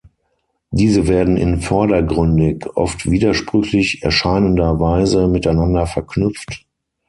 Diese werden in vordergründig oft widersprüchlich erscheinender Weise miteinander verknüpft.